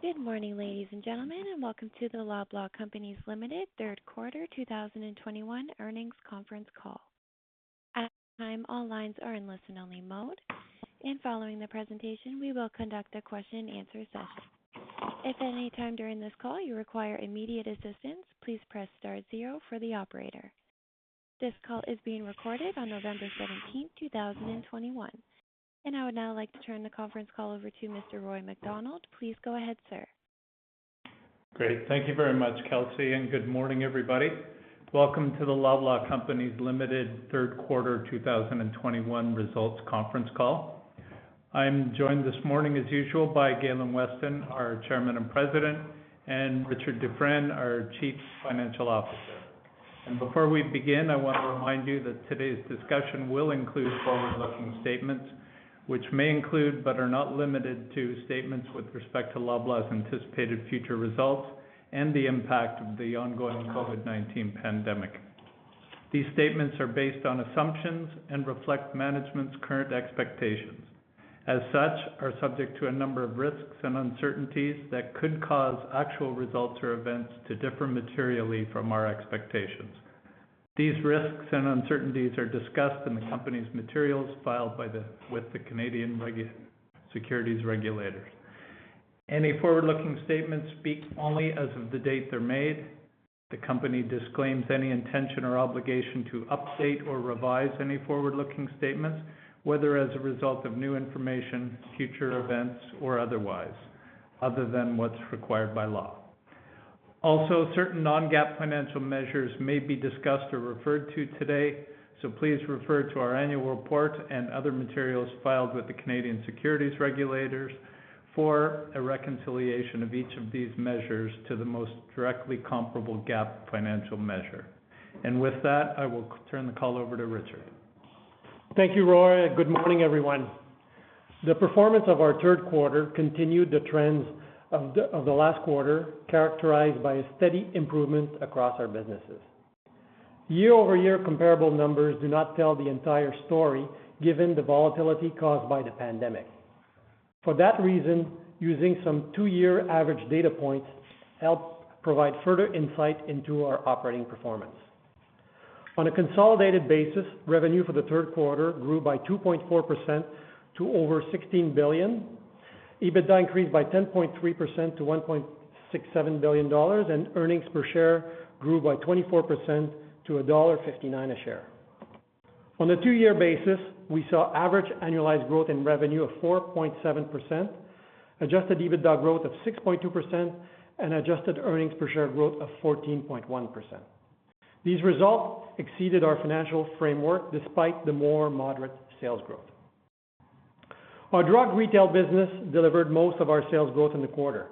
Good morning, ladies and gentlemen, and welcome to the Loblaw Companies Limited Third Quarter 2021 earnings conference call. At this time, all lines are in listen-only mode. Following the presentation, we will conduct a question-and-answer session. If at any time during this call you require immediate assistance, please press star zero for the operator. This call is being recorded on November 17th, 2021. I would now like to turn the conference call over to Mr. Roy MacDonald. Please go ahead, sir. Great. Thank you very much, Kelsey, and good morning, everybody. Welcome to the Loblaw Companies Limited Third Quarter 2021 results conference call. I'm joined this morning, as usual, by Galen Weston, our Chairman and President, and Richard Dufresne, our Chief Financial Officer. Before we begin, I wanna remind you that today's discussion will include forward-looking statements, which may include, but are not limited to, statements with respect to Loblaw's anticipated future results and the impact of the ongoing COVID-19 pandemic. These statements are based on assumptions and reflect management's current expectations. As such, are subject to a number of risks and uncertainties that could cause actual results or events to differ materially from our expectations. These risks and uncertainties are discussed in the company's materials filed with the Canadian securities regulators. Any forward-looking statements speak only as of the date they're made. The company disclaims any intention or obligation to update or revise any forward-looking statements, whether as a result of new information, future events, or otherwise, other than what's required by law. Also, certain non-GAAP financial measures may be discussed or referred to today. Please refer to our annual report and other materials filed with the Canadian securities regulators for a reconciliation of each of these measures to the most directly comparable GAAP financial measure. With that, I will turn the call over to Richard. Thank you, Roy, and good morning, everyone. The performance of our third quarter continued the trends of the last quarter, characterized by a steady improvement across our businesses. Year-over-year comparable numbers do not tell the entire story given the volatility caused by the pandemic. For that reason, using some 2-year average data points help provide further insight into our operating performance. On a consolidated basis, revenue for the third quarter grew by 2.4% to over 16 billion. EBITDA increased by 10.3% to 1.67 billion dollars, and earnings per share grew by 24% to dollar 1.59 a share. On a 2-year basis, we saw average annualized growth in revenue of 4.7%, adjusted EBITDA growth of 6.2%, and adjusted earnings per share growth of 14.1%. These results exceeded our financial framework despite the more moderate sales growth. Our drug retail business delivered most of our sales growth in the quarter.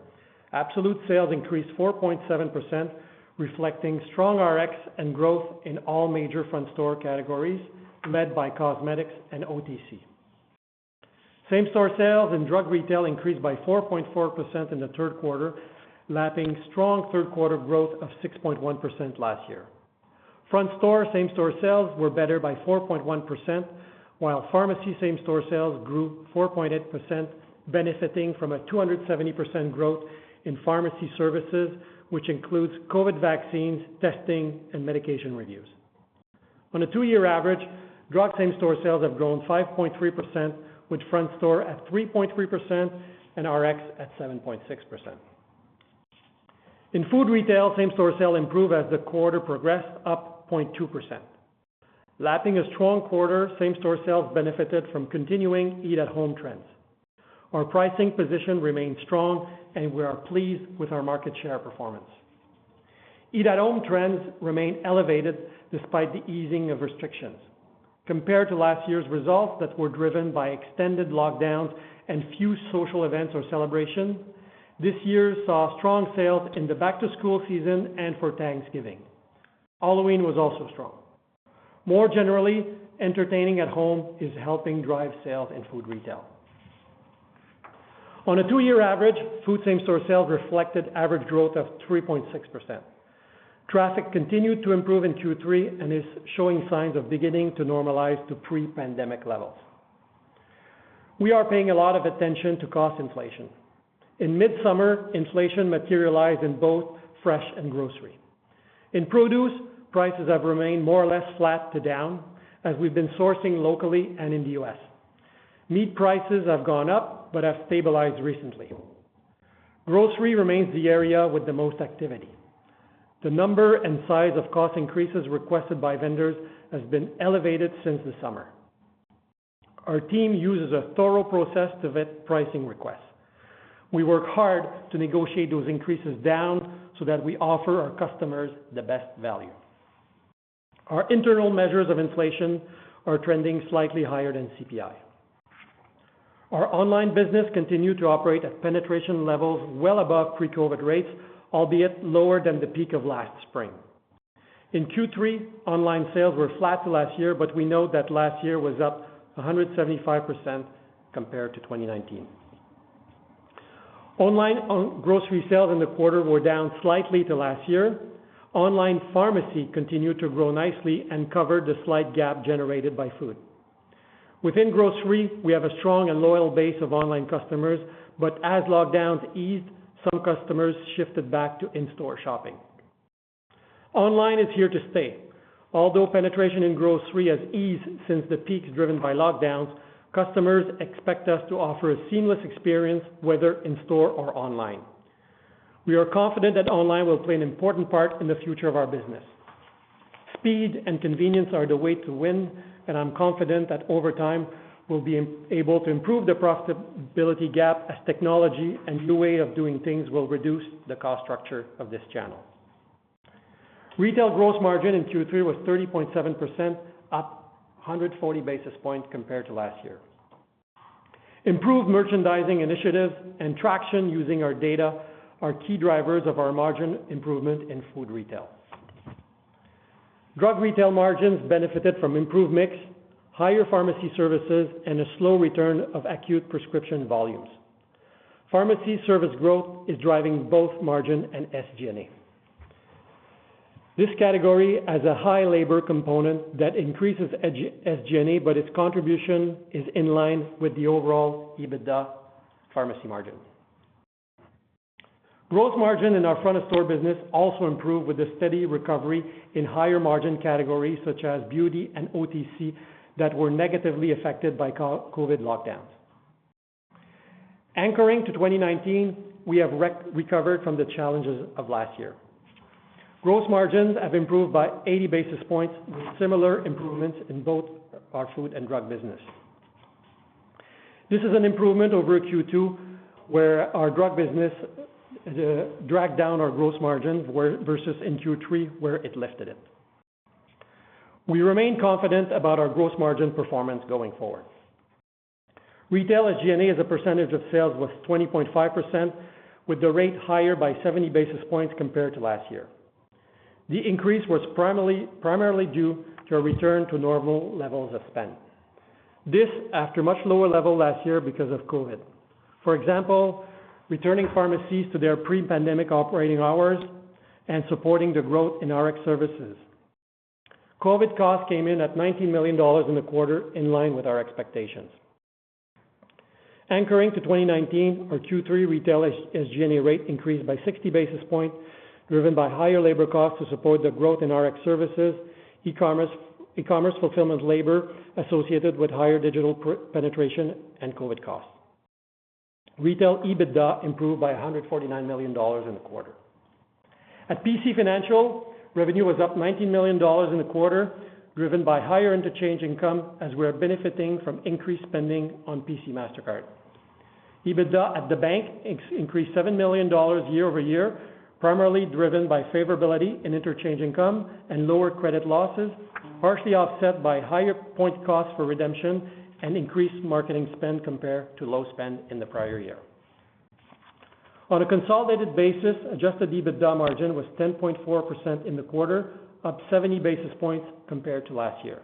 Absolute sales increased 4.7%, reflecting strong Rx and growth in all major front store categories led by cosmetics and OTC. Same-store sales in drug retail increased by 4.4% in the third quarter, lapping strong third quarter growth of 6.1% last year. Front store same-store sales were better by 4.1%, while pharmacy same-store sales grew 4.8% benefiting from a 270% growth in pharmacy services, which includes COVID vaccines, testing, and medication reviews. On a 2-year average, drug same-store sales have grown 5.3%, with front store at 3.3% and Rx at 7.6%. In food retail, same-store sales improved as the quarter progressed up 0.2%. Lapping a strong quarter, same-store sales benefited from continuing eat-at-home trends. Our pricing position remains strong, and we are pleased with our market share performance. Eat-at-home trends remain elevated despite the easing of restrictions. Compared to last year's results that were driven by extended lockdowns and few social events or celebrations, this year saw strong sales in the back-to-school season and for Thanksgiving. Halloween was also strong. More generally, entertaining at home is helping drive sales in food retail. On a 2-year average, food same-store sales reflected average growth of 3.6%. Traffic continued to improve in Q3 and is showing signs of beginning to normalize to pre-pandemic levels. We are paying a lot of attention to cost inflation. In mid-summer, inflation materialized in both fresh and grocery. In produce, prices have remained more or less flat to down as we've been sourcing locally and in the U.S. Meat prices have gone up but have stabilized recently. Grocery remains the area with the most activity. The number and size of cost increases requested by vendors has been elevated since the summer. Our team uses a thorough process to vet pricing requests. We work hard to negotiate those increases down so that we offer our customers the best value. Our internal measures of inflation are trending slightly higher than CPI. Our online business continued to operate at penetration levels well above pre-COVID rates, albeit lower than the peak of last spring. In Q3, online sales were flat to last year, but we know that last year was up 175% compared to 2019. Online grocery sales in the quarter were down slightly to last year. Online pharmacy continued to grow nicely and covered the slight gap generated by food. Within grocery, we have a strong and loyal base of online customers, but as lockdowns eased, some customers shifted back to in-store shopping. Online is here to stay. Although penetration in grocery has eased since the peak driven by lockdowns, customers expect us to offer a seamless experience, whether in store or online. We are confident that online will play an important part in the future of our business. Speed and convenience are the way to win, and I'm confident that over time, we'll be able to improve the profitability gap as technology and new way of doing things will reduce the cost structure of this channel. Retail gross margin in Q3 was 30.7%, up 140 basis points compared to last year. Improved merchandising initiatives and traction using our data are key drivers of our margin improvement in food retail. Drug retail margins benefited from improved mix, higher pharmacy services, and a slow return of acute prescription volumes. Pharmacy service growth is driving both margin and SG&A. This category has a high labor component that increases its SG&A, but its contribution is in line with the overall EBITDA pharmacy margin. Gross margin in our front store business also improved with a steady recovery in higher margin categories, such as beauty and OTC, that were negatively affected by COVID lockdowns. Anchoring to 2019, we have recovered from the challenges of last year. Gross margins have improved by 80 basis points, with similar improvements in both our food and drug business. This is an improvement over Q2, where our drug business dragged down our gross margin versus in Q3, where it lifted it. We remain confident about our gross margin performance going forward. Retail SG&A as a percentage of sales was 20.5%, with the rate higher by 70 basis points compared to last year. The increase was primarily due to a return to normal levels of spend after much lower levels last year because of COVID. For example, returning pharmacies to their pre-pandemic operating hours and supporting the growth in Rx services. COVID costs came in at 90 million dollars in the quarter in line with our expectations. Anchoring to 2019, our Q3 retail SG&A rate increased by 60 basis points, driven by higher labor costs to support the growth in Rx services, e-commerce fulfillment labor associated with higher digital penetration and COVID costs. Retail EBITDA improved by 149 million dollars in the quarter. At PC Financial, revenue was up 90 million dollars in the quarter, driven by higher interchange income as we are benefiting from increased spending on PC Mastercard. EBITDA at the bank increased 7 million dollars year over year, primarily driven by favorability in interchange income and lower credit losses, partially offset by higher point costs for redemption and increased marketing spend compared to low spend in the prior year. On a consolidated basis, adjusted EBITDA margin was 10.4% in the quarter, up 70 basis points compared to last year.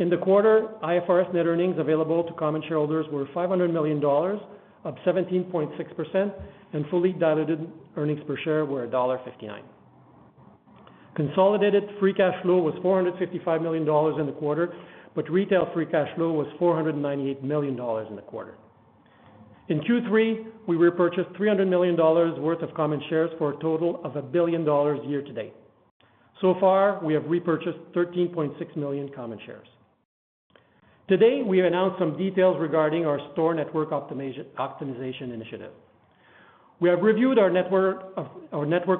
In the quarter, IFRS net earnings available to common shareholders were 500 million dollars, up 17.6%, and fully diluted earnings per share were dollar 1.59. Consolidated free cash flow was 455 million dollars in the quarter, but retail free cash flow was 498 million dollars in the quarter. In Q3, we repurchased 300 million dollars worth of common shares for a total of 1 billion dollars year-to-date. So far, we have repurchased 13.6 million common shares. Today, we announce some details regarding our store network optimization initiative. We have reviewed our network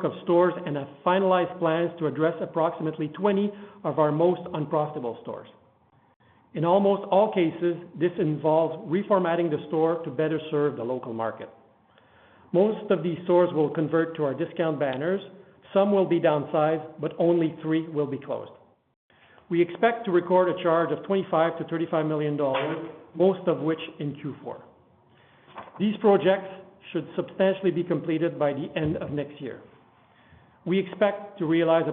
of stores and have finalized plans to address approximately 20 of our most unprofitable stores. In almost all cases, this involves reformatting the store to better serve the local market. Most of these stores will convert to our discount banners, some will be downsized, but only three will be closed. We expect to record a charge of 25 million-35 million dollars, most of which in Q4. These projects should substantially be completed by the end of next year. We expect to realize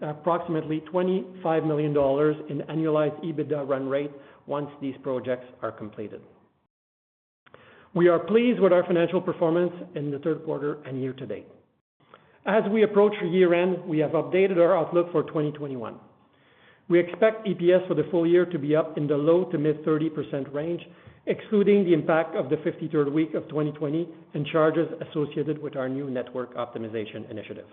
approximately 25 million dollars in annualized EBITDA run rate once these projects are completed. We are pleased with our financial performance in the third quarter and year to date. As we approach year-end, we have updated our outlook for 2021. We expect EPS for the full year to be up in the low to mid-30% range, excluding the impact of the 53rd week of 2020 and charges associated with our new network optimization initiative.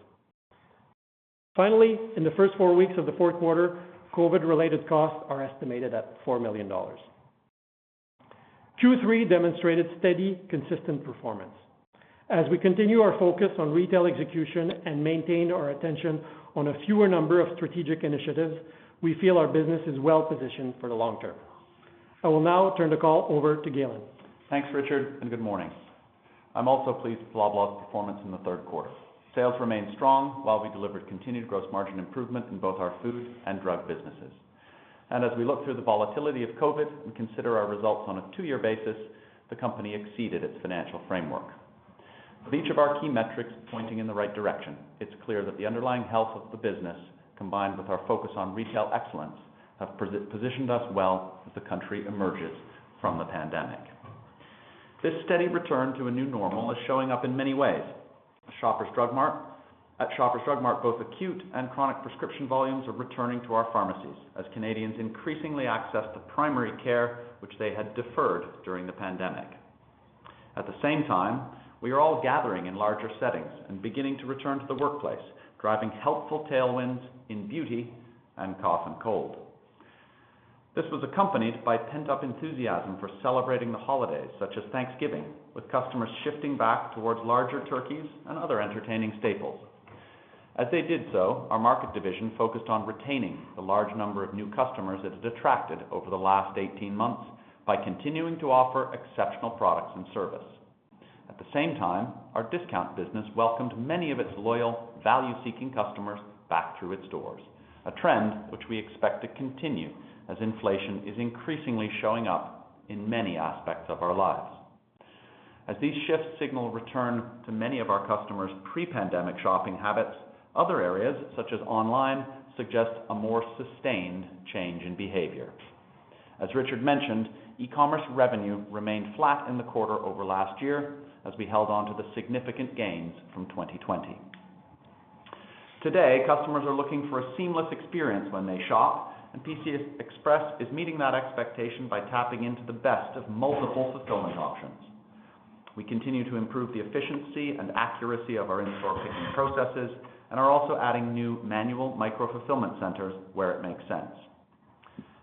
Finally, in the first 4 weeks of the fourth quarter, COVID-related costs are estimated at 4 million dollars. Q3 demonstrated steady, consistent performance. As we continue our focus on retail execution and maintain our attention on a fewer number of strategic initiatives, we feel our business is well positioned for the long term. I will now turn the call over to Galen. Thanks, Richard, and good morning. I'm also pleased with Loblaw's performance in the third quarter. Sales remained strong while we delivered continued gross margin improvement in both our food and drug businesses. As we look through the volatility of COVID and consider our results on a 2-year basis, the company exceeded its financial framework. With each of our key metrics pointing in the right direction, it's clear that the underlying health of the business, combined with our focus on retail excellence, have positioned us well as the country emerges from the pandemic. This steady return to a new normal is showing up in many ways. At Shoppers Drug Mart, both acute and chronic prescription volumes are returning to our pharmacies as Canadians increasingly access the primary care which they had deferred during the pandemic. At the same time, we are all gathering in larger settings and beginning to return to the workplace, driving helpful tailwinds in beauty and cough and cold. This was accompanied by pent-up enthusiasm for celebrating the holidays, such as Thanksgiving, with customers shifting back towards larger turkeys and other entertaining staples. As they did so, our market division focused on retaining the large number of new customers that it had attracted over the last 18 months by continuing to offer exceptional products and service. At the same time, our discount business welcomed many of its loyal value-seeking customers back through its doors, a trend which we expect to continue as inflation is increasingly showing up in many aspects of our lives. As these shifts signal return to many of our customers' pre-pandemic shopping habits, other areas, such as online, suggest a more sustained change in behavior. As Richard mentioned, e-commerce revenue remained flat in the quarter over last year as we held on to the significant gains from 2020. Today, customers are looking for a seamless experience when they shop, and PC Express is meeting that expectation by tapping into the best of multiple fulfillment options. We continue to improve the efficiency and accuracy of our in-store picking processes and are also adding new manual micro-fulfillment centers where it makes sense.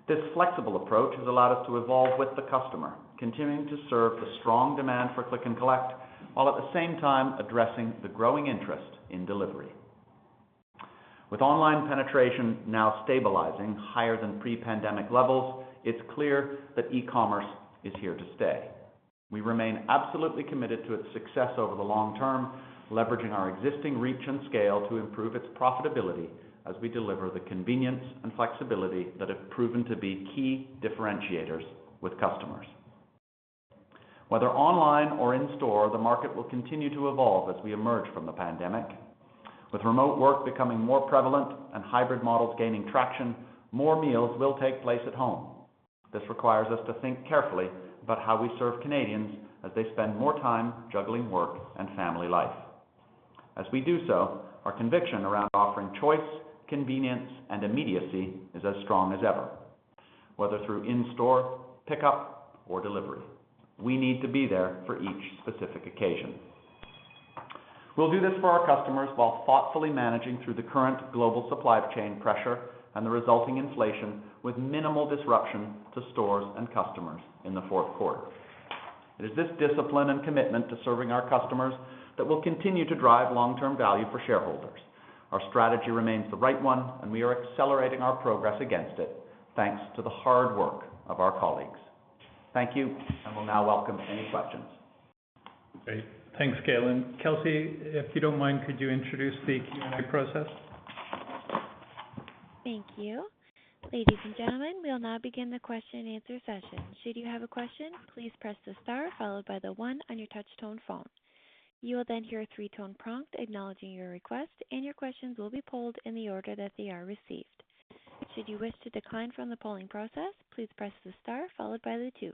This flexible approach has allowed us to evolve with the customer, continuing to serve the strong demand for click and collect, while at the same time addressing the growing interest in delivery. With online penetration now stabilizing higher than pre-pandemic levels, it's clear that e-commerce is here to stay. We remain absolutely committed to its success over the long term, leveraging our existing reach and scale to improve its profitability as we deliver the convenience and flexibility that have proven to be key differentiators with customers. Whether online or in store, the market will continue to evolve as we emerge from the pandemic. With remote work becoming more prevalent and hybrid models gaining traction, more meals will take place at home. This requires us to think carefully about how we serve Canadians as they spend more time juggling work and family life. As we do so, our conviction around offering choice, convenience, and immediacy is as strong as ever. Whether through in-store, pickup, or delivery, we need to be there for each specific occasion. We'll do this for our customers while thoughtfully managing through the current global supply chain pressure and the resulting inflation with minimal disruption to stores and customers in the fourth quarter. It is this discipline and commitment to serving our customers that will continue to drive long-term value for shareholders. Our strategy remains the right one, and we are accelerating our progress against it thanks to the hard work of our colleagues. Thank you, and we'll now welcome any questions. Great. Thanks, Galen. Kelsey, if you don't mind, could you introduce the Q&A process? Thank you. Ladies and gentlemen, we will now begin the question and answer session. Should you have a question, please press the star followed by the one on your touch tone phone. You will then hear a three-tone prompt acknowledging your request, and your questions will be polled in the order that they are received. Should you wish to decline from the polling process, please press the star followed by the two.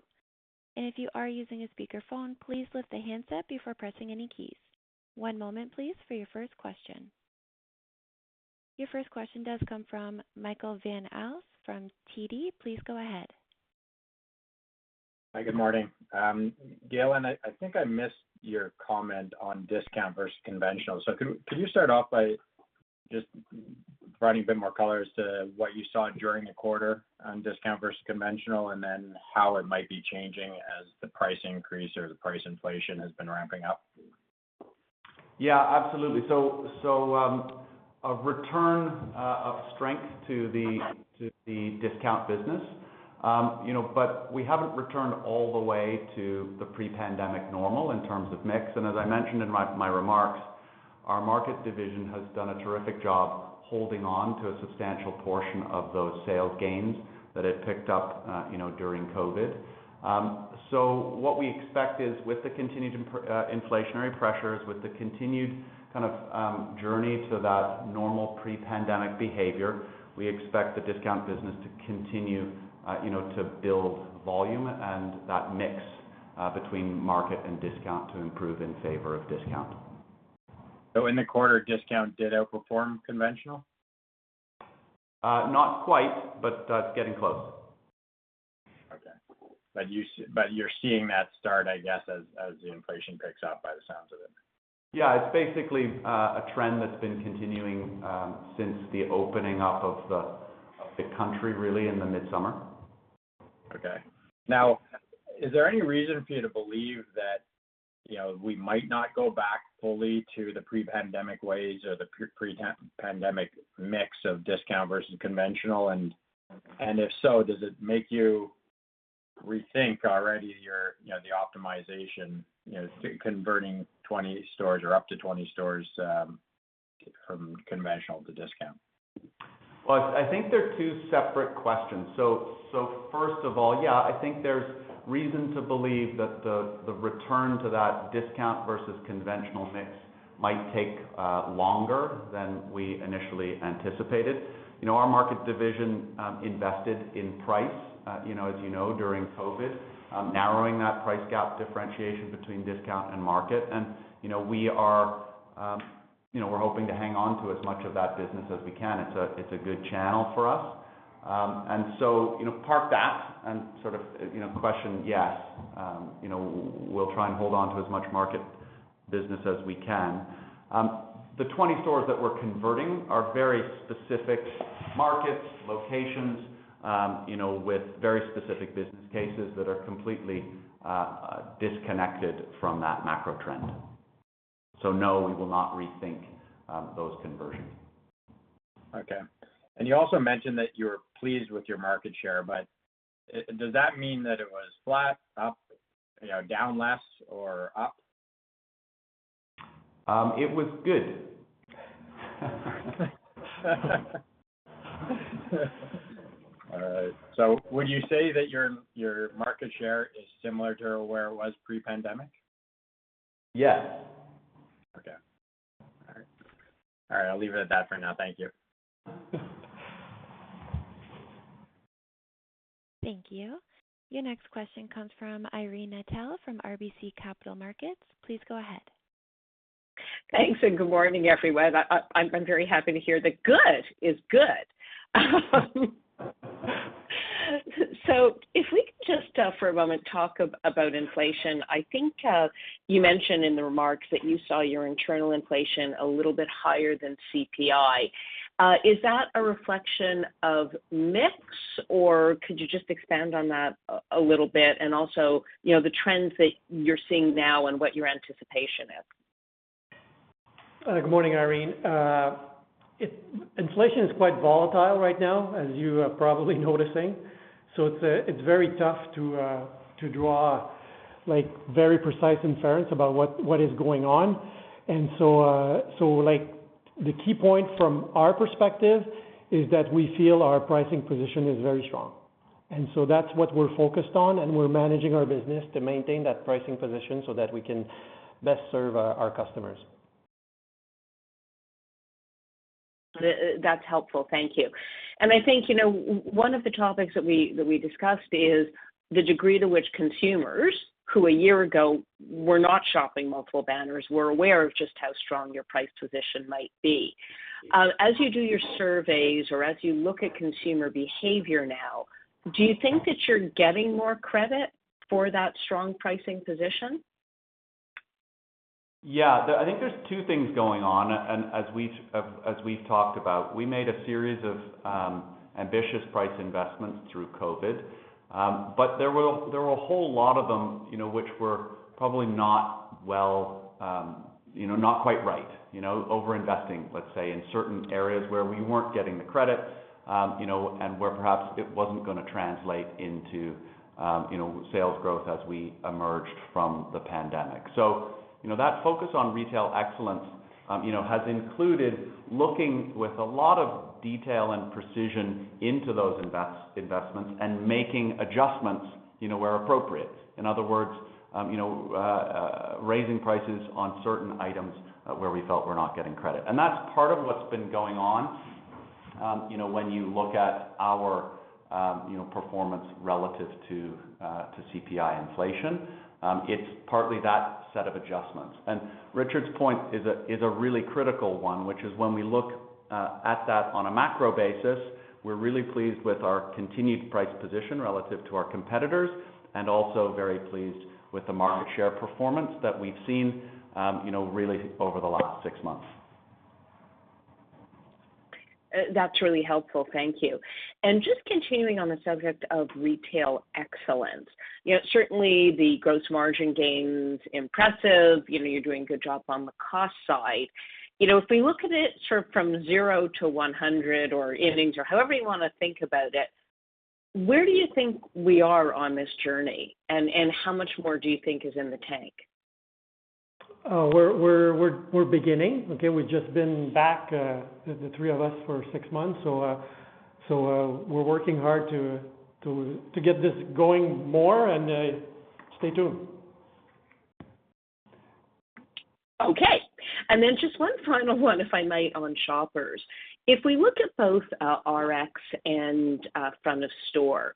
If you are using a speakerphone, please lift the handset before pressing any keys. One moment, please, for your first question. Your first question does come from Michael Van Aelst from TD. Please go ahead. Hi, good morning. Galen, I think I missed your comment on discount versus conventional. Could you start off by just providing a bit more color as to what you saw during the quarter on discount versus conventional, and then how it might be changing as the price increase or the price inflation has been ramping up? Yeah, absolutely. So, a return of strength to the discount business. You know, we haven't returned all the way to the pre-pandemic normal in terms of mix. As I mentioned in my remarks, our market division has done a terrific job holding on to a substantial portion of those sales gains that it picked up, you know, during COVID. What we expect is with the continued inflationary pressures, with the continued kind of journey to that normal pre-pandemic behavior, we expect the discount business to continue, you know, to build volume and that mix between market and discount to improve in favor of discount. In the quarter, discount did outperform conventional? Not quite, but that's getting close. Okay. You're seeing that start, I guess, as the inflation picks up by the sounds of it. Yeah, it's basically a trend that's been continuing since the opening up of the country really in the midsummer. Okay. Now, is there any reason for you to believe that, you know, we might not go back fully to the pre-pandemic ways or the pre-pandemic mix of discount versus conventional? If so, does it make you rethink already your, you know, the optimization, you know, converting 20 stores or up to 20 stores from conventional to discount? Well, I think they're two separate questions. First of all, yeah, I think there's reason to believe that the return to that discount versus conventional mix might take longer than we initially anticipated. You know, our market division invested in price, you know, as you know, during COVID, narrowing that price gap differentiation between discount and market. You know, we are hoping to hang on to as much of that business as we can. It's a good channel for us. You know, park that and sort of question, yes, you know, we'll try and hold on to as much market business as we can. The 20 stores that we're converting are very specific markets, locations, you know, with very specific business cases that are completely disconnected from that macro trend. No, we will not rethink those conversions. Okay. You also mentioned that you're pleased with your market share, but does that mean that it was flat, up, you know, down less or up? It was good. All right. Would you say that your market share is similar to where it was pre-pandemic? Yes. Okay. All right, I'll leave it at that for now. Thank you. Thank you. Your next question comes from Irene Nattel from RBC Capital Markets. Please go ahead. Thanks, and good morning, everyone. I'm very happy to hear that good is good. If we could just for a moment talk about inflation, I think you mentioned in the remarks that you saw your internal inflation a little bit higher than CPI. Is that a reflection of mix, or could you just expand on that a little bit and also, you know, the trends that you're seeing now and what your anticipation is? Good morning, Irene. Inflation is quite volatile right now, as you are probably noticing. It's very tough to draw like very precise inference about what is going on. Like the key point from our perspective is that we feel our pricing position is very strong. That's what we're focused on, and we're managing our business to maintain that pricing position so that we can best serve our customers. That's helpful. Thank you. I think, you know, one of the topics that we discussed is the degree to which consumers, who a year ago were not shopping multiple banners, were aware of just how strong your price position might be. As you do your surveys or as you look at consumer behavior now, do you think that you're getting more credit for that strong pricing position? Yeah. I think there's two things going on. As we've talked about, we made a series of ambitious price investments through COVID. There were a whole lot of them, you know, which were probably not well, you know, not quite right. You know, overinvesting, let's say, in certain areas where we weren't getting the credit, you know, and where perhaps it wasn't gonna translate into, you know, sales growth as we emerged from the pandemic. That focus on retail excellence, you know, has included looking with a lot of detail and precision into those investments and making adjustments, you know, where appropriate. In other words, you know, raising prices on certain items, where we felt we're not getting credit. That's part of what's been going on, you know, when you look at our, you know, performance relative to CPI inflation. It's partly that set of adjustments. Richard's point is a really critical one, which is when we look at that on a macro basis, we're really pleased with our continued price position relative to our competitors, and also very pleased with the market share performance that we've seen, you know, really over the last 6 months. That's really helpful. Thank you. Just continuing on the subject of retail excellence, you know, certainly the gross margin gains, impressive. You know, you're doing a good job on the cost side. You know, if we look at it sort of from zero to 100 or innings or however you wanna think about it, where do you think we are on this journey and how much more do you think is in the tank? We're beginning. Okay. We've just been back, the three of us for 6 months. We're working hard to get this going more and stay tuned. Okay. Just one final one, if I might, on Shoppers. If we look at both, Rx and, front of store,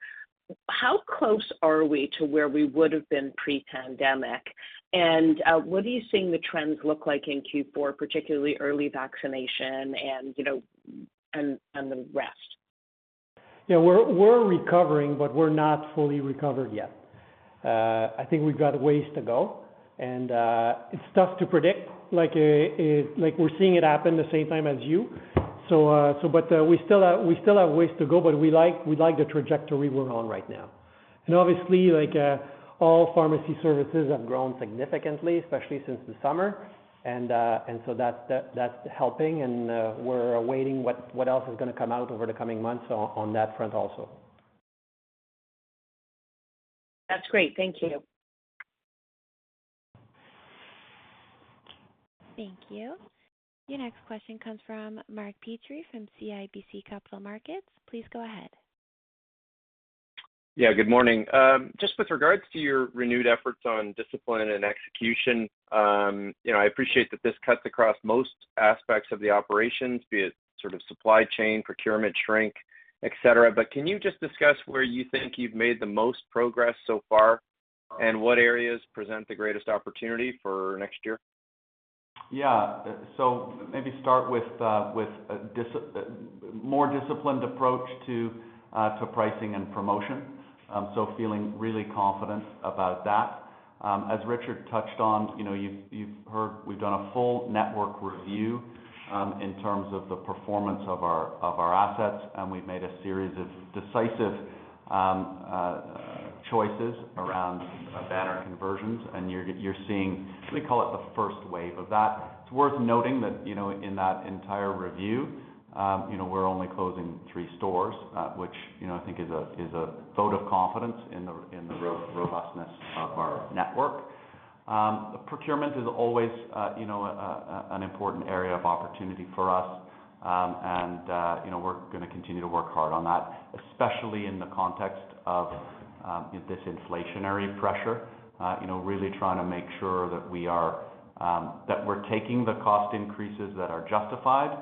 how close are we to where we would have been pre-pandemic? What are you seeing the trends look like in Q4, particularly early vaccination and, you know, and the rest? Yeah, we're recovering, but we're not fully recovered yet. I think we've got a ways to go, and it's tough to predict, like we're seeing it happen at the same time as you. But we still have ways to go, but we like the trajectory we're on right now. Obviously, all pharmacy services have grown significantly, especially since the summer. That's helping. We're awaiting what else is gonna come out over the coming months on that front also. That's great. Thank you. Thank you. Your next question comes from Mark Petrie from CIBC Capital Markets. Please go ahead. Good morning. Just with regards to your renewed efforts on discipline and execution, you know, I appreciate that this cuts across most aspects of the operations, be it sort of supply chain, procurement, shrink, etc. Can you just discuss where you think you've made the most progress so far? What areas present the greatest opportunity for next year? Yeah. Maybe start with a more disciplined approach to pricing and promotion. Feeling really confident about that. As Richard touched on, you know, you've heard we've done a full network review in terms of the performance of our assets, and we've made a series of decisive choices around banner conversions, and you're seeing, we call it the first wave of that. It's worth noting that, you know, in that entire review, you know, we're only closing three stores, which, you know, I think is a vote of confidence in the robustness of our network. Procurement is always, you know, an important area of opportunity for us. You know, we're gonna continue to work hard on that, especially in the context of this inflationary pressure. You know, really trying to make sure that we are that we're taking the cost increases that are justified.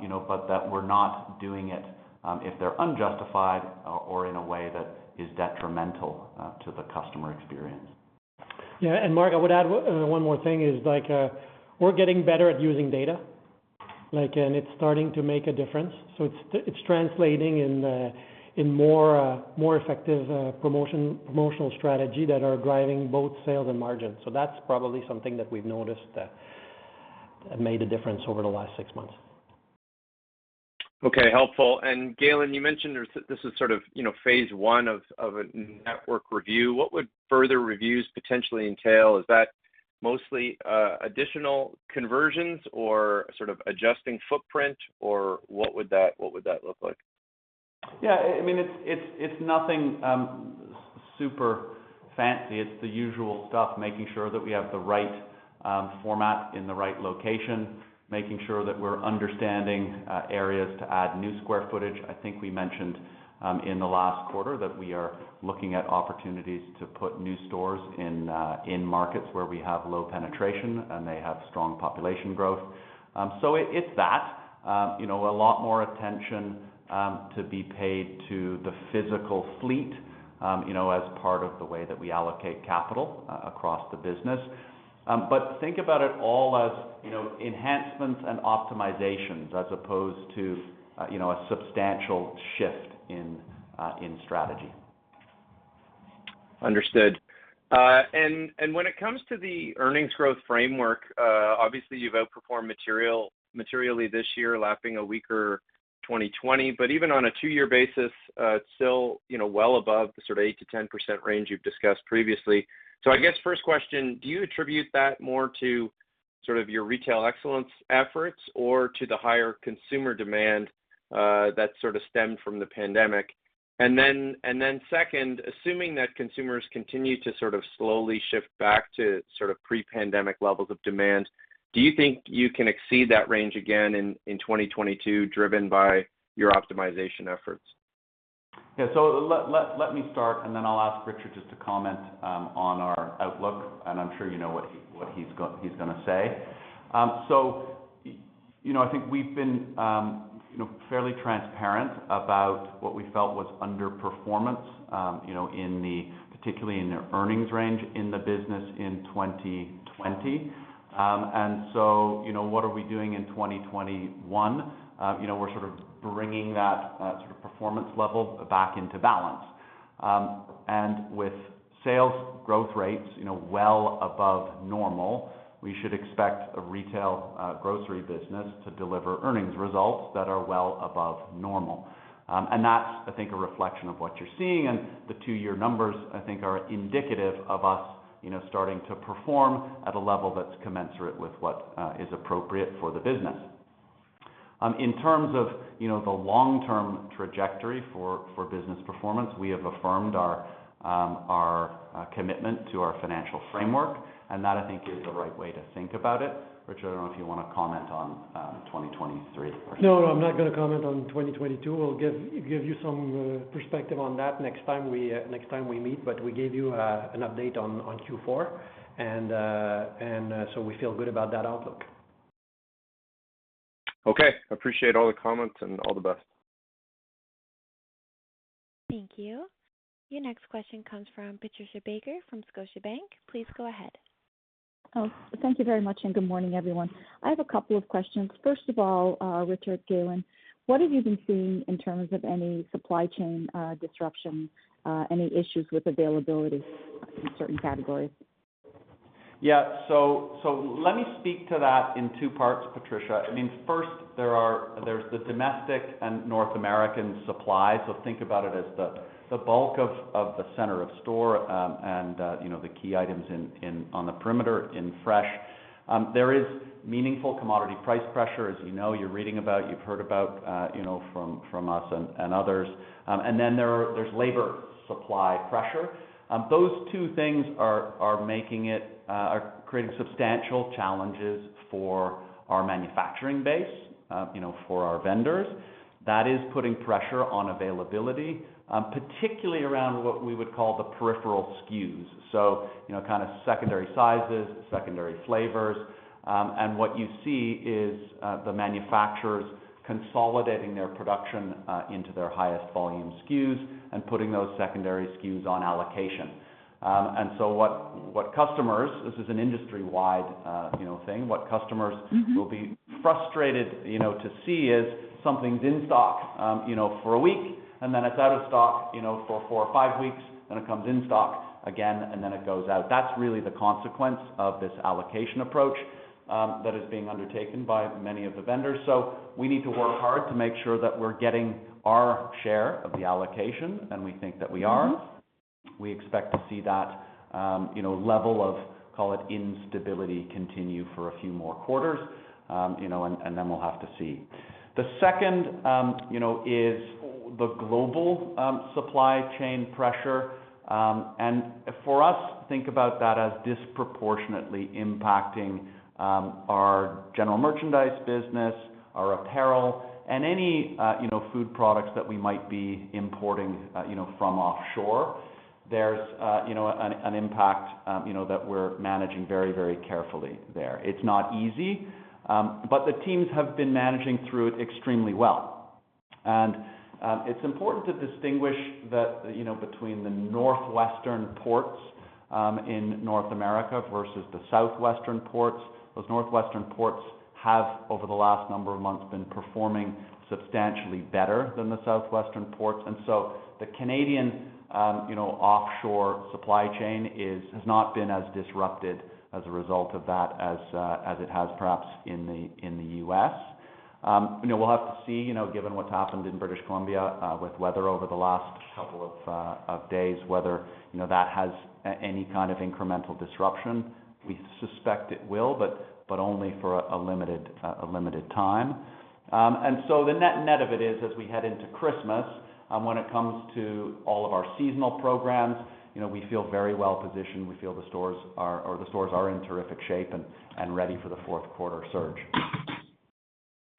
You know, but that we're not doing it if they're unjustified or in a way that is detrimental to the customer experience. Yeah. Mark, I would add one more thing, like, we're getting better at using data. Like, it's starting to make a difference. It's translating into more effective promotional strategy that are driving both sales and margins. That's probably something that we've noticed that have made a difference over the last 6 months. Okay, helpful. Galen, you mentioned this is sort of, you know, phase one of a network review. What would further reviews potentially entail? Is that mostly additional conversions or sort of adjusting footprint? Or what would that look like? Yeah, I mean, it's nothing super fancy. It's the usual stuff, making sure that we have the right format in the right location, making sure that we're understanding areas to add new square footage. I think we mentioned in the last quarter that we are looking at opportunities to put new stores in markets where we have low penetration and they have strong population growth. It's that. You know, a lot more attention to be paid to the physical fleet, you know, as part of the way that we allocate capital across the business. Think about it all as, you know, enhancements and optimizations as opposed to, you know, a substantial shift in strategy. Understood. And when it comes to the earnings growth framework, obviously, you've outperformed materially this year, lapping a weaker 2020. But even on a 2-year basis, it's still, you know, well above the sort of 8%-10% range you've discussed previously. I guess first question, do you attribute that more to sort of your retail excellence efforts or to the higher consumer demand that sort of stemmed from the pandemic? And then second, assuming that consumers continue to sort of slowly shift back to sort of pre-pandemic levels of demand, do you think you can exceed that range again in 2022, driven by your optimization efforts? Let me start, and then I'll ask Richard just to comment on our outlook, and I'm sure you know what he's gonna say. You know, I think we've been fairly transparent about what we felt was underperformance, you know, particularly in the earnings range in the business in 2020. What are we doing in 2021? You know, we're sort of bringing that sort of performance level back into balance. With sales growth rates, you know, well above normal, we should expect a retail grocery business to deliver earnings results that are well above normal. That's, I think, a reflection of what you're seeing, and the 2-year numbers, I think, are indicative of us, you know, starting to perform at a level that's commensurate with what is appropriate for the business. In terms of, you know, the long-term trajectory for business performance, we have affirmed our commitment to our financial framework, and that I think is the right way to think about it. Richard, I don't know if you wanna comment on 2023. No, I'm not gonna comment on 2022. We'll give you some perspective on that next time we meet. We gave you an update on Q4, and so we feel good about that outlook. Okay. Appreciate all the comments and all the best. Thank you. Your next question comes from Patricia Baker from Scotiabank. Please go ahead. Oh, thank you very much, and good morning, everyone. I have a couple of questions. First of all, Richard, Galen, what have you been seeing in terms of any supply chain disruption, any issues with availability in certain categories? Let me speak to that in two parts, Patricia. I mean, first, there's the domestic and North American supply. Think about it as the bulk of the center of store, and, you know, the key items on the perimeter in fresh. There is meaningful commodity price pressure, as you know, you're reading about, you've heard about, you know, from us and others. Then there's labor supply pressure. Those two things are creating substantial challenges for our manufacturing base, you know, for our vendors. That is putting pressure on availability, particularly around what we would call the peripheral SKUs, you know, kind of secondary sizes, secondary flavors. What you see is the manufacturers consolidating their production into their highest volume SKUs and putting those secondary SKUs on allocation. What customers, this is an industry-wide, you know, thing, what customers- Mm-hmm.... will be frustrated, you know, to see is something's in stock, you know, for a week, and then it's out of stock, you know, for 4 or 5 weeks, then it comes in stock again, and then it goes out. That's really the consequence of this allocation approach that is being undertaken by many of the vendors. We need to work hard to make sure that we're getting our share of the allocation, and we think that we are. Mm-hmm. We expect to see that, you know, level of, call it instability, continue for a few more quarters, you know, and then we'll have to see. The second, you know, is the global, supply chain pressure. For us, think about that as disproportionately impacting, our general merchandise business, our apparel, and any, you know, food products that we might be importing, you know, from offshore. There's, you know, an impact, you know, that we're managing very, very carefully there. It's not easy, but the teams have been managing through it extremely well. It's important to distinguish that, you know, between the northwestern ports, in North America versus the southwestern ports. Those northwestern ports have, over the last number of months, been performing substantially better than the southwestern ports. The Canadian you know offshore supply chain has not been as disrupted as a result of that as it has perhaps in the U.S. You know, we'll have to see you know given what's happened in British Columbia with weather over the last couple of days whether you know that has any kind of incremental disruption. We suspect it will, but only for a limited time. The net net of it is, as we head into Christmas, when it comes to all of our seasonal programs, you know, we feel very well-positioned. We feel the stores are in terrific shape and ready for the fourth quarter surge.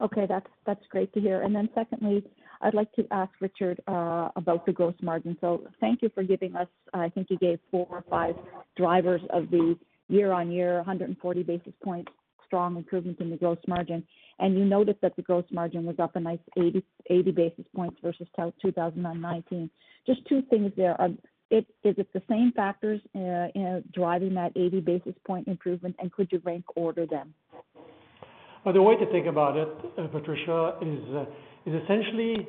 Okay. That's great to hear. Then secondly, I'd like to ask Richard about the gross margin. Thank you for giving us. I think you gave four or five drivers of the year-on-year 140 basis points strong improvements in the gross margin. You noted that the gross margin was up a nice 80 basis points versus 2019. Just two things there. Is it the same factors, you know, driving that 80 basis point improvement, and could you rank order them? Well, the way to think about it, Patricia, is essentially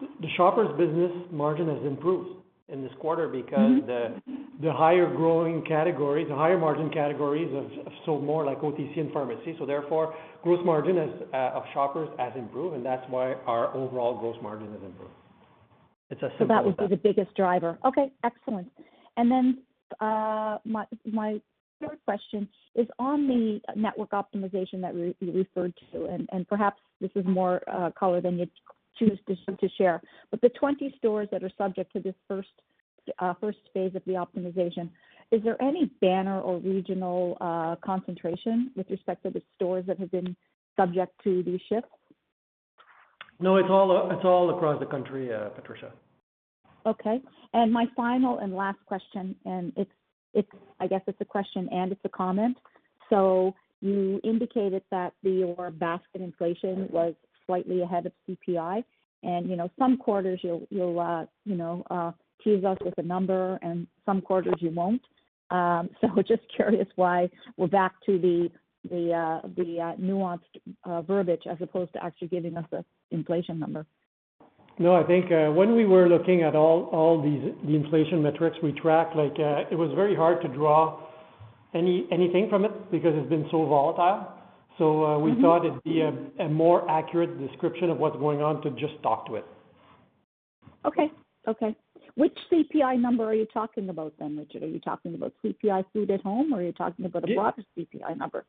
the Shoppers business margin has improved in this quarter because- Mm-hmm.... the higher growing categories, the higher margin categories have sold more like OTC and pharmacy, so therefore gross margin of Shoppers has improved, and that's why our overall gross margin has improved. It's as simple as that. That would be the biggest driver. Okay, excellent. Then my third question is on the network optimization that you referred to, and perhaps this is more color than you'd choose to share. The 20 stores that are subject to this first phase of the optimization, is there any banner or regional concentration with respect to the stores that have been subject to these shifts? No. It's all across the country, Patricia. My final and last question, and it's a question and it's a comment. You indicated that your basket inflation was slightly ahead of CPI, and you know, some quarters you'll tease us with a number and some quarters you won't. Just curious why we're back to the nuanced verbiage as opposed to actually giving us the inflation number. No. I think, when we were looking at all these, the inflation metrics we track, like, it was very hard to draw anything from it because it's been so volatile. Mm-hmm. We thought it'd be a more accurate description of what's going on to just talk to it. Okay. Okay. Which CPI number are you talking about then, Richard? Are you talking about CPI food at home, or are you talking about a broader CPI number?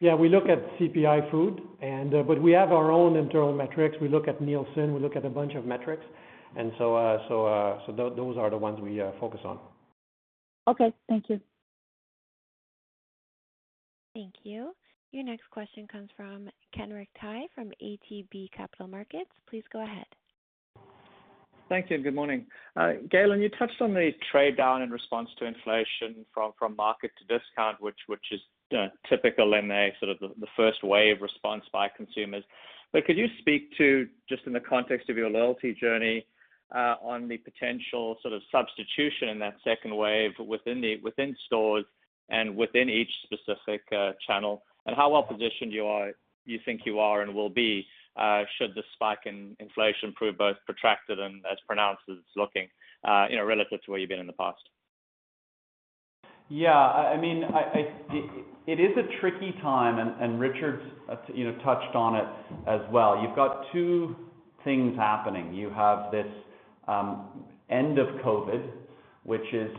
Yeah, we look at CPI food, but we have our own internal metrics. We look at Nielsen, we look at a bunch of metrics, and so those are the ones we focus on. Okay. Thank you. Thank you. Your next question comes from Kenric Tyghe from ATB Capital Markets. Please go ahead. Thank you and good morning. Galen, you touched on the trade down in response to inflation from market to discount, which is typical in the first wave response by consumers. Could you speak to just in the context of your loyalty journey on the potential sort of substitution in that second wave within stores and within each specific channel, and how well-positioned you think you are and will be should the spike in inflation prove both protracted and as pronounced as it's looking, you know, relative to where you've been in the past? Yeah. I mean, it is a tricky time, and Richard has, you know, touched on it as well. You've got two things happening. You have this end of COVID, which is,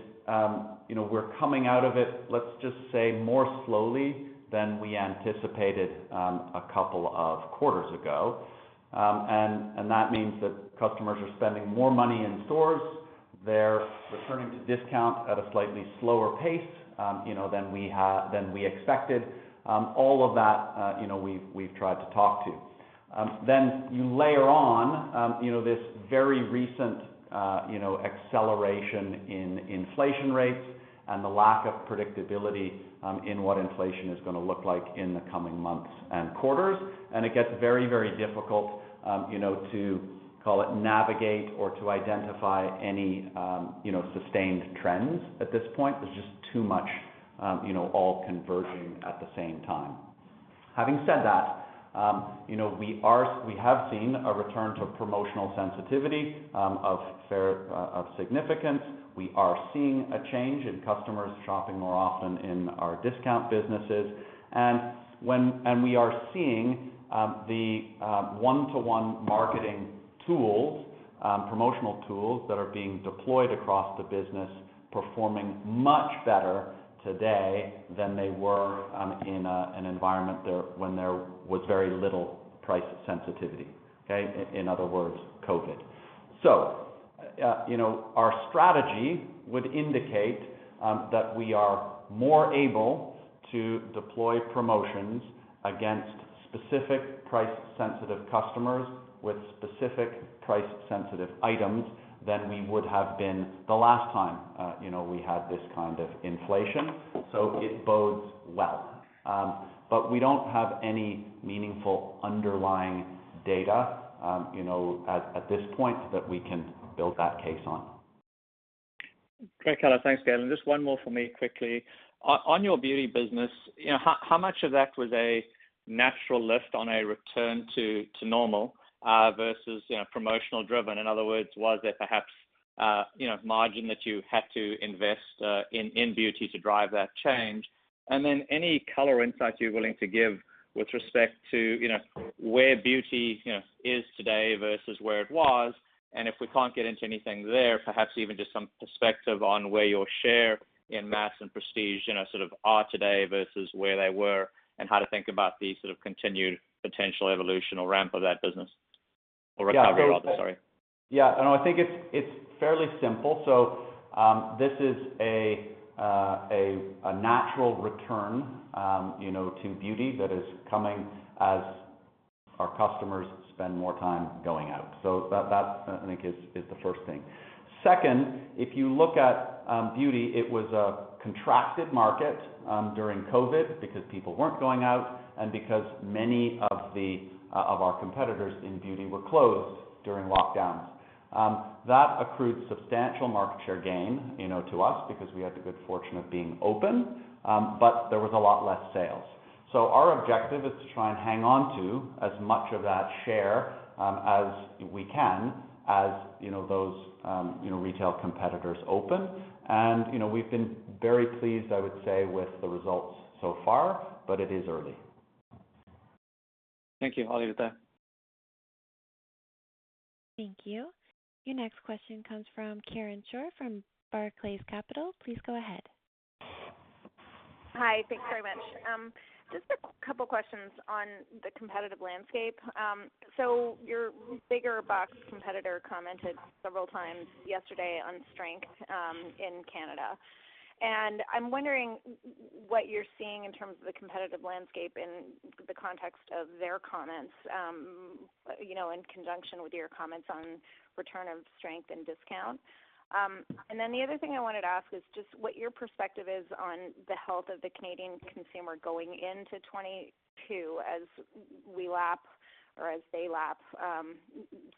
you know, we're coming out of it, let's just say, more slowly than we anticipated, a couple of quarters ago. That means that customers are spending more money in stores. They're returning to discount at a slightly slower pace, you know, than we expected. All of that, you know, we've tried to talk to. You layer on, you know, this very recent, you know, acceleration in inflation rates and the lack of predictability in what inflation is gonna look like in the coming months and quarters, and it gets very, very difficult, you know, to call it navigate or to identify any, you know, sustained trends at this point. There's just too much, you know, all converging at the same time. Having said that, you know, we have seen a return to promotional sensitivity of fairly significant. We are seeing a change in customers shopping more often in our discount businesses. We are seeing the one-to-one marketing tools, promotional tools that are being deployed across the business performing much better today than they were in an environment there when there was very little price sensitivity, okay? In other words, COVID. You know, our strategy would indicate that we are more able to deploy promotions against specific price-sensitive customers with specific price-sensitive items than we would have been the last time, you know, we had this kind of inflation, so it bodes well. But we don't have any meaningful underlying data, you know, at this point that we can build that case on. Great color. Thanks, Galen. Just one more for me quickly. On your beauty business, you know, how much of that was a natural lift on a return to normal versus, you know, promotional driven? In other words, was there perhaps, you know, margin that you had to invest in beauty to drive that change? And then any color insight you're willing to give with respect to, you know, where beauty is today versus where it was, and if we can't get into anything there, perhaps even just some perspective on where your share in mass and prestige are today versus where they were, and how to think about the continued potential evolution or ramp of that business or recovery, sorry. Yeah. No, I think it's fairly simple. This is a natural return, you know, to beauty that is coming as our customers spend more time going out. That I think is the first thing. Second, if you look at beauty, it was a contracted market during COVID because people weren't going out and because many of our competitors in beauty were closed during lockdowns. That accrued substantial market share gain, you know, to us because we had the good fortune of being open, but there was a lot less sales. Our objective is to try and hang on to as much of that share as we can as those retail competitors open. You know, we've been very pleased, I would say, with the results so far, but it is early. Thank you. I'll leave it there. Thank you. Your next question comes from Karen Short from Barclays Capital. Please go ahead. Hi. Thanks very much. Just a couple questions on the competitive landscape. Your bigger box competitor commented several times yesterday on strength in Canada. I'm wondering what you're seeing in terms of the competitive landscape in the context of their comments, you know, in conjunction with your comments on return of strength and discount. The other thing I wanted to ask is just what your perspective is on the health of the Canadian consumer going into 2022 as we lap or as they lap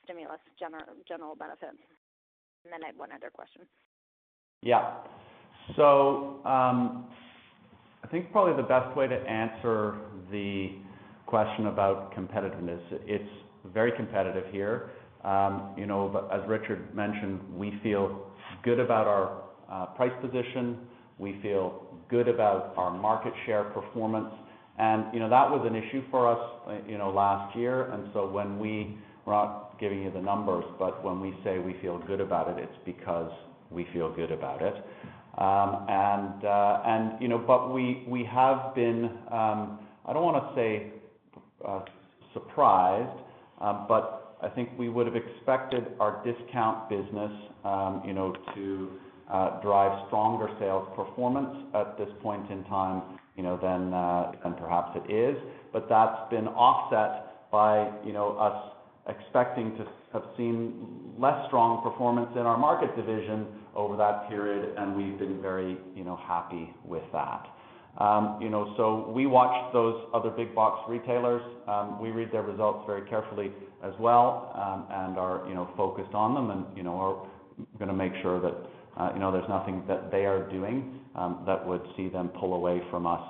stimulus general benefits. I have one other question. Yeah. I think probably the best way to answer the question about competitiveness, it's very competitive here. You know, as Richard mentioned, we feel good about our price position. We feel good about our market share performance. You know, that was an issue for us, you know, last year. We're not giving you the numbers, but when we say we feel good about it's because we feel good about it. You know, but we have been, I don't wanna say surprised, but I think we would have expected our discount business, you know, to drive stronger sales performance at this point in time, you know, than perhaps it is. That's been offset by, you know, us expecting to have seen less strong performance in our market division over that period, and we've been very, you know, happy with that. We watch those other big box retailers. We read their results very carefully as well, and are, you know, focused on them and, you know, are gonna make sure that, you know, there's nothing that they are doing, that would see them pull away from us,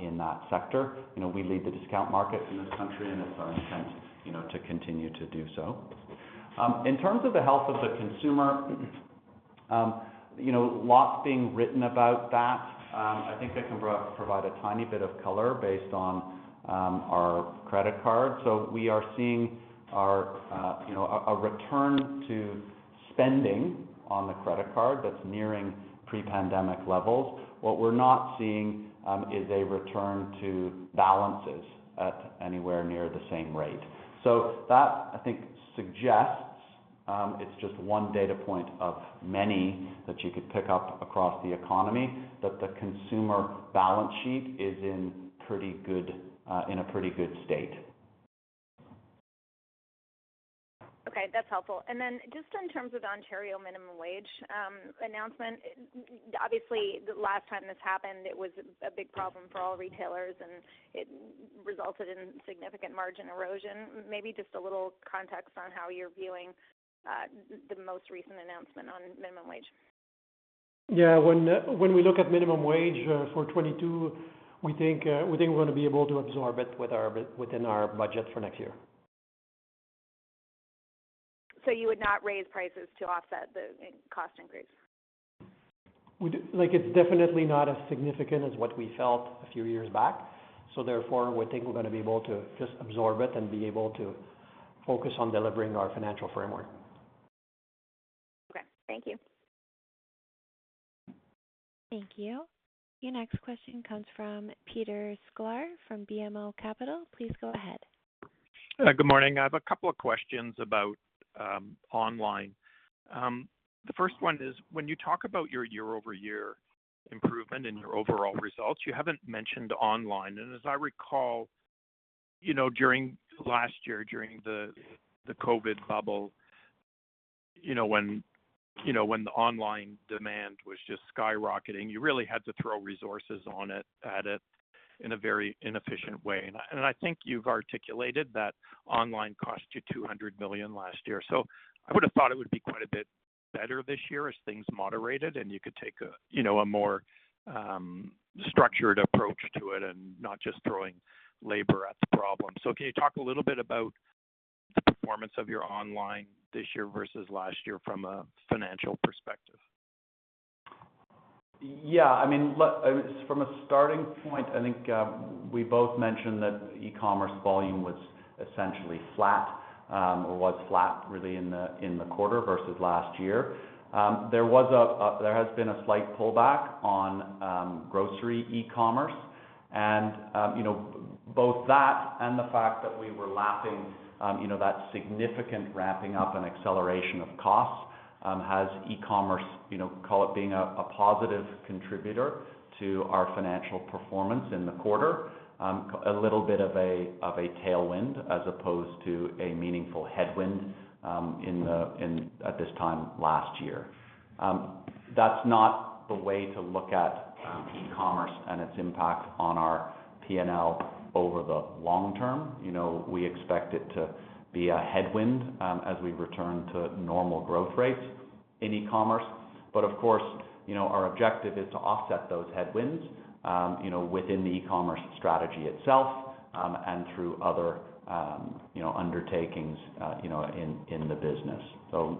in that sector. You know, we lead the discount market in this country, and it's our intent, you know, to continue to do so. In terms of the health of the consumer, you know, lots being written about that. I think I can provide a tiny bit of color based on, our credit card. We are seeing our you know a return to spending on the credit card that's nearing pre-pandemic levels. What we're not seeing is a return to balances at anywhere near the same rate. That I think suggests it's just one data point of many that you could pick up across the economy, that the consumer balance sheet is in pretty good state. Okay, that's helpful. Just in terms of the Ontario minimum wage announcement, obviously the last time this happened, it was a big problem for all retailers, and it resulted in significant margin erosion. Maybe just a little context on how you're viewing the most recent announcement on minimum wage. Yeah, when we look at minimum wage for 2022, we think we're gonna be able to absorb it within our budget for next year. You would not raise prices to offset the cost increase? Like, it's definitely not as significant as what we felt a few years back. Therefore, we think we're gonna be able to just absorb it and be able to focus on delivering our financial framework. Okay, thank you. Thank you. Your next question comes from Peter Sklar from BMO Capital. Please go ahead. Good morning. I have a couple of questions about online. The first one is, when you talk about your year-over-year improvement in your overall results, you haven't mentioned online. As I recall, you know, during last year, during the COVID bubble, you know, when the online demand was just skyrocketing, you really had to throw resources on it, at it in a very inefficient way. I think you've articulated that online cost you 200 million last year. I would have thought it would be quite a bit better this year as things moderated, and you could take a, you know, a more structured approach to it and not just throwing labor at the problem. Can you talk a little bit about the performance of your online this year versus last year from a financial perspective? Yeah. I mean, look, I mean, from a starting point, I think we both mentioned that e-commerce volume was essentially flat, or was flat really in the quarter versus last year. There has been a slight pullback on grocery e-commerce and, you know, both that and the fact that we were lapping, you know, that significant ramping up and acceleration of costs has e-commerce, you know, call it being a positive contributor to our financial performance in the quarter. A little bit of a tailwind as opposed to a meaningful headwind at this time last year. That's not the way to look at e-commerce and its impact on our P&L over the long term. You know, we expect it to be a headwind, as we return to normal growth rates in e-commerce. Of course, you know, our objective is to offset those headwinds, you know, within the e-commerce strategy itself, and through other, you know, undertakings, you know, in the business.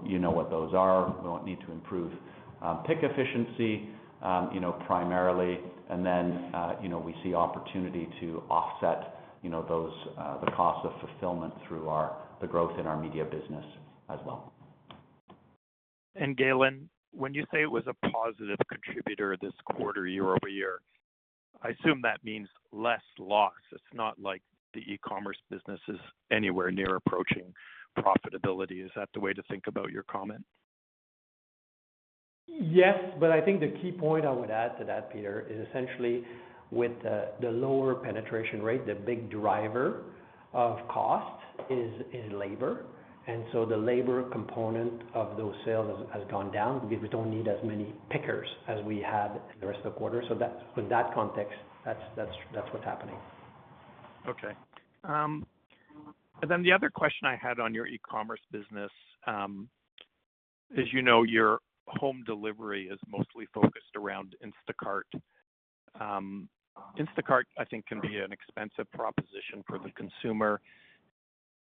You know what those are. We don't need to improve pick efficiency, you know, primarily. You know, we see opportunity to offset, you know, those, the cost of fulfillment through our, the growth in our media business as well. Galen, when you say it was a positive contributor this quarter year-over-year, I assume that means less loss. It's not like the e-commerce business is anywhere near approaching profitability. Is that the way to think about your comment? Yes. I think the key point I would add to that, Peter, is essentially with the lower penetration rate, the big driver of cost is labor. The labor component of those sales has gone down because we don't need as many pickers as we had in the rest of the quarter. That's in that context, that's what's happening. Okay. The other question I had on your e-commerce business, as you know, your home delivery is mostly focused around Instacart. Instacart, I think can be an expensive proposition for the consumer.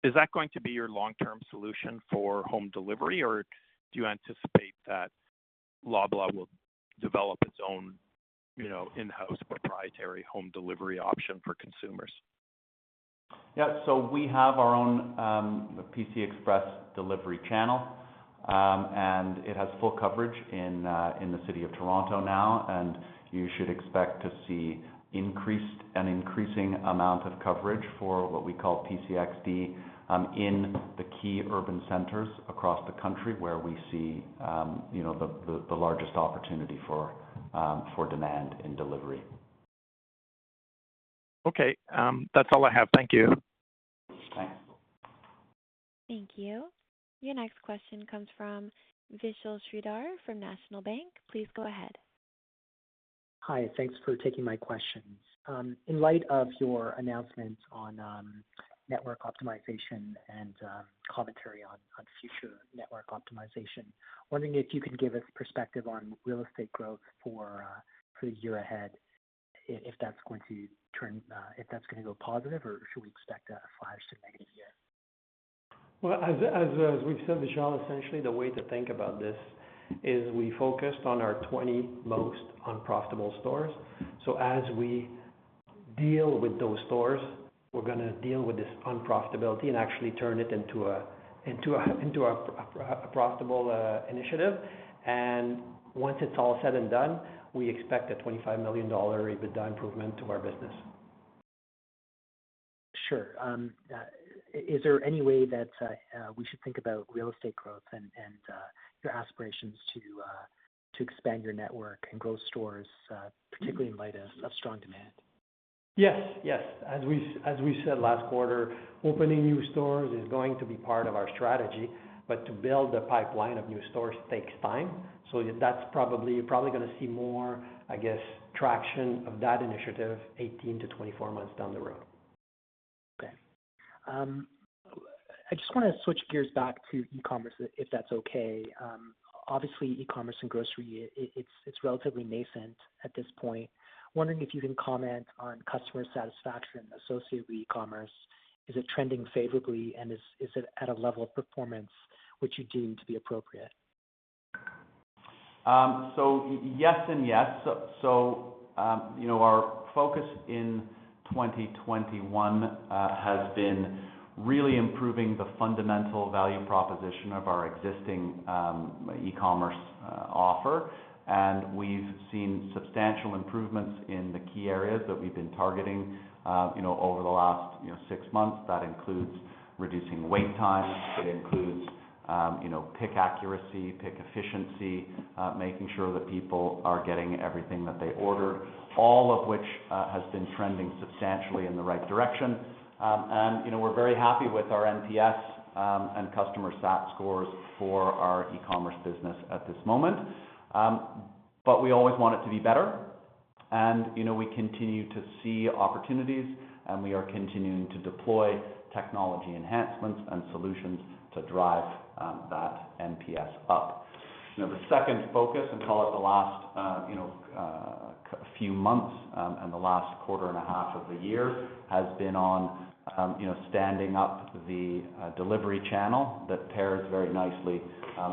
Is that going to be your long-term solution for home delivery? Or do you anticipate that Loblaw will develop its own, you know, in-house proprietary home delivery option for consumers? Yeah. We have our own PC Express delivery channel, and it has full coverage in the city of Toronto now, and you should expect to see increased and increasing amount of coverage for what we call PCXD in the key urban centers across the country where we see you know the largest opportunity for for demand in delivery. Okay. That's all I have. Thank you. Thanks. Thank you. Your next question comes from Vishal Shreedhar from National Bank. Please go ahead. Hi, thanks for taking my questions. In light of your announcements on network optimization and commentary on future network optimization, wondering if you can give us perspective on real estate growth for the year ahead, if that's going to turn, if that's gonna go positive or should we expect a flat to negative year? Well, as we've said, Vishal, essentially, the way to think about this is we focused on our 20 most unprofitable stores. As we deal with those stores, we're gonna deal with this unprofitability and actually turn it into a profitable initiative. Once it's all said and done, we expect a 25 million dollar EBITDA improvement to our business. Sure. Is there any way that we should think about real estate growth and your aspirations to expand your network and grow stores, particularly in light of strong demand? Yes. As we said last quarter, opening new stores is going to be part of our strategy, but to build a pipeline of new stores takes time. That's probably, you're probably gonna see more, I guess, traction of that initiative 18-24 months down the road. Okay. I just wanna switch gears back to e-commerce, if that's okay. Obviously, e-commerce and grocery, it's relatively nascent at this point. Wondering if you can comment on customer satisfaction associated with e-commerce. Is it trending favorably, and is it at a level of performance which you deem to be appropriate? Yes and yes. You know, our focus in 2021 has been really improving the fundamental value proposition of our existing e-commerce offer. We've seen substantial improvements in the key areas that we've been targeting, you know, over the last 6 months. That includes reducing wait time, it includes, you know, pick accuracy, pick efficiency, making sure that people are getting everything that they ordered, all of which has been trending substantially in the right direction. You know, we're very happy with our NPS and customer SAT scores for our e-commerce business at this moment. We always want it to be better. You know, we continue to see opportunities, and we are continuing to deploy technology enhancements and solutions to drive that NPS up. You know, the second focus, and call it the last few months, and the last quarter and a half of the year, has been on, you know, standing up the delivery channel that pairs very nicely,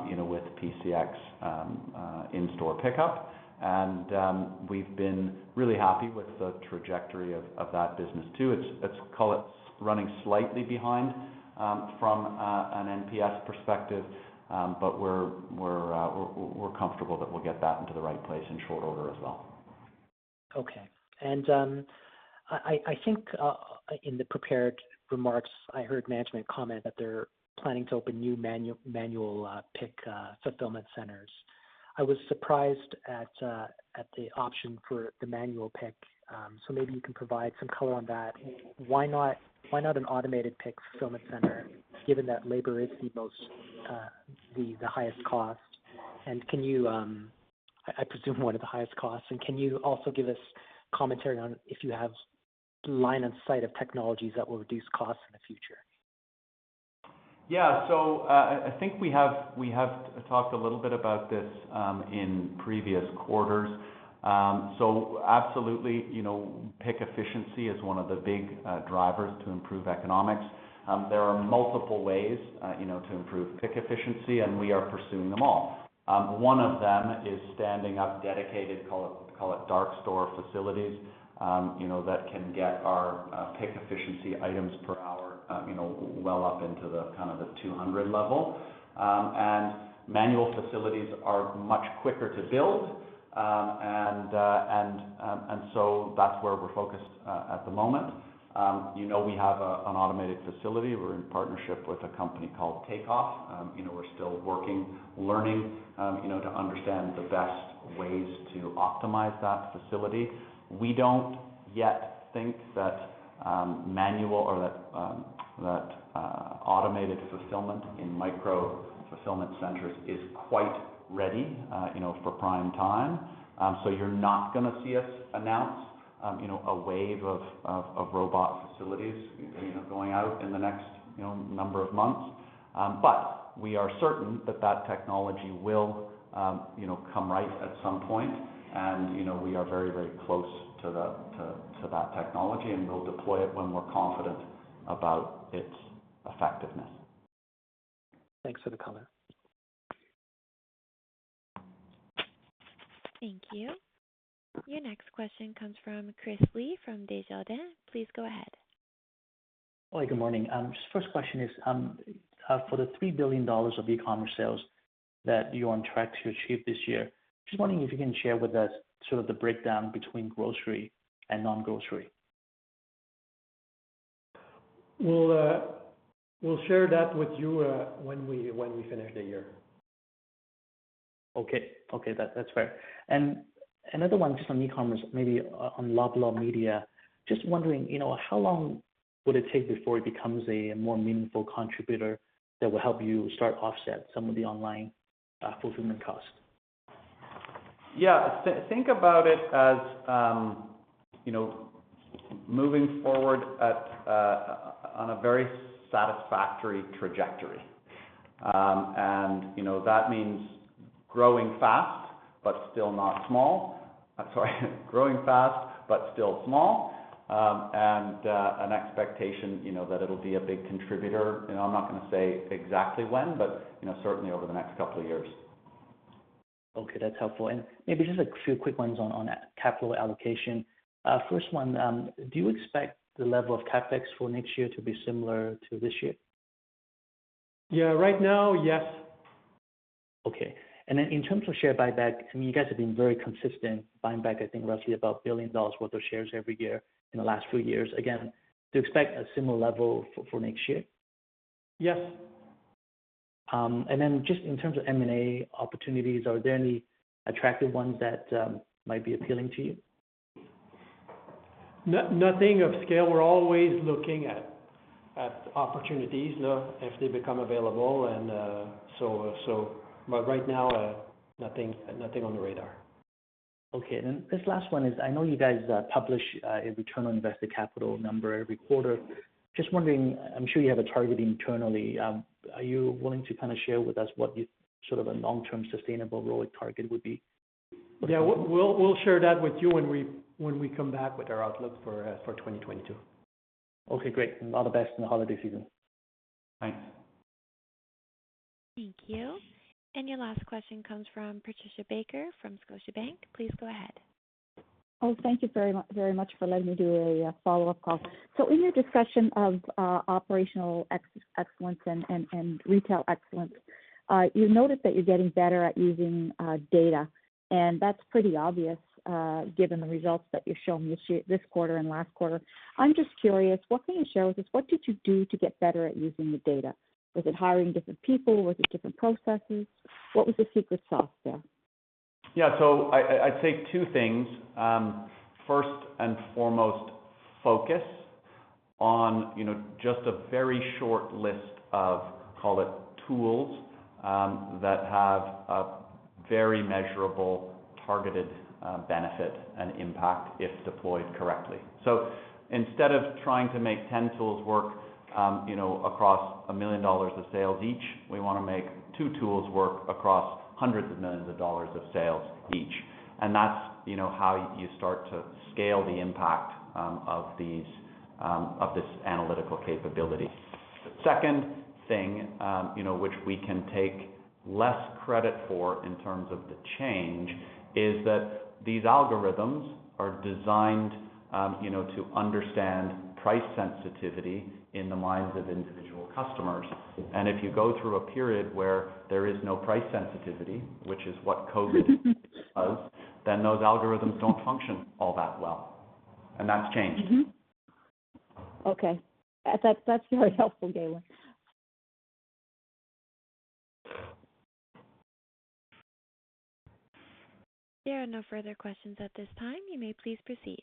you know, with PCX, in-store pickup. We've been really happy with the trajectory of that business too. It's running slightly behind from an NPS perspective, but we're comfortable that we'll get that into the right place in short order as well. Okay. I think in the prepared remarks, I heard management comment that they're planning to open new manual pick fulfillment centers. I was surprised at the option for the manual pick. Maybe you can provide some color on that. Why not an automated pick fulfillment center given that labor is the highest cost? I presume one of the highest costs. Can you also give us commentary on if you have line of sight of technologies that will reduce costs in the future? Yeah. I think we have talked a little bit about this in previous quarters. Absolutely, you know, pick efficiency is one of the big drivers to improve economics. There are multiple ways, you know, to improve pick efficiency, and we are pursuing them all. One of them is standing up dedicated, call it, dark store facilities, you know, that can get our pick efficiency items per hour, you know, well up into the kind of the 200 level. Manual facilities are much quicker to build. That's where we're focused at the moment. You know, we have an automated facility. We're in partnership with a company called Takeoff. You know, we're still working, learning, you know, to understand the best ways to optimize that facility. We don't yet think that manual or automated fulfillment in micro-fulfillment centers is quite ready, you know, for prime time. You're not gonna see us announce, you know, a wave of robot facilities, you know, going out in the next, you know, number of months. We are certain that that technology will, you know, come ripe at some point. You know, we are very, very close to that technology, and we'll deploy it when we're confident about its effectiveness. Thanks for the color. Thank you. Your next question comes from Chris Li from Desjardins. Please go ahead. Hi, good morning. First question is, for the 3 billion dollars of e-commerce sales that you're on track to achieve this year, just wondering if you can share with us sort of the breakdown between grocery and non-grocery? We'll share that with you when we finish the year. Okay, that's fair. Another one just on e-commerce, maybe on Loblaw Media. Just wondering, you know, how long would it take before it becomes a more meaningful contributor that will help you start offset some of the online fulfillment costs? Yeah. Think about it as, you know, moving forward on a very satisfactory trajectory. You know, that means growing fast, but still small. An expectation, you know, that it'll be a big contributor, you know, I'm not gonna say exactly when, but, you know, certainly over the next couple of years. Okay, that's helpful. Maybe just a few quick ones on capital allocation. First one, do you expect the level of CapEx for next year to be similar to this year? Yeah. Right now, yes. Okay. In terms of share buyback, I mean, you guys have been very consistent buying back, I think roughly 1 billion dollars worth of shares every year in the last few years. Again, do you expect a similar level for next year? Yes. Just in terms of M&A opportunities, are there any attractive ones that might be appealing to you? Nothing of scale. We're always looking at opportunities if they become available. Right now, nothing on the radar. This last one is. I know you guys publish a return on invested capital number every quarter. Just wondering, I'm sure you have a target internally. Are you willing to kinda share with us what you sort of a long-term sustainable ROIC target would be? Yeah. We'll share that with you when we come back with our outlook for 2022. Okay, great. All the best in the holiday season. Thanks. Thank you. Your last question comes from Patricia Baker from Scotiabank. Please go ahead. Thank you very much for letting me do a follow-up call. In your discussion of operational excellence and retail excellence, you've noticed that you're getting better at using data, and that's pretty obvious given the results that you've shown me this quarter and last quarter. I'm just curious, what can you share with us, what did you do to get better at using the data? Was it hiring different people? Was it different processes? What was the secret sauce there? Yeah. I'd say two things. First and foremost, focus on, you know, just a very short list of, call it tools, that have a very measurable, targeted benefit and impact if deployed correctly. Instead of trying to make 10 tools work, you know, across 1 million dollars of sales each, we wanna make two tools work across hundreds of millions of dollars of sales each. That's, you know, how you start to scale the impact of this analytical capability. The second thing, you know, which we can take less credit for in terms of the change, is that these algorithms are designed, you know, to understand price sensitivity in the minds of individual customers. If you go through a period where there is no price sensitivity, which is what COVID does, then those algorithms don't function all that well. That's changed. Mm-hmm. Okay. That's very helpful, Galen. There are no further questions at this time. You may please proceed.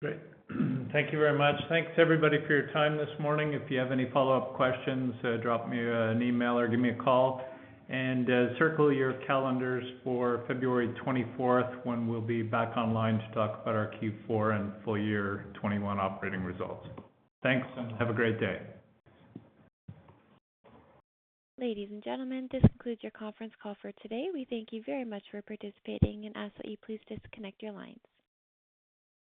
Great. Thank you very much. Thanks everybody for your time this morning. If you have any follow-up questions, drop me an email or give me a call. Circle your calendars for February 24th when we'll be back online to talk about our Q4 and full year 2021 operating results. Thanks. Have a great day. Ladies and gentlemen, this concludes your conference call for today. We thank you very much for participating and ask that you please disconnect your lines.